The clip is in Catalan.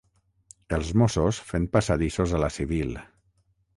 Els mossos fent passadissos a la civil.